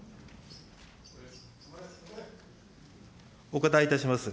お答えいたします。